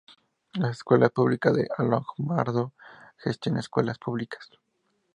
Las Escuelas Públicas de Alamogordo gestiona escuelas públicas.